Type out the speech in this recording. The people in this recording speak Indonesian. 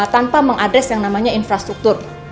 tanpa mengadres yang namanya infrastruktur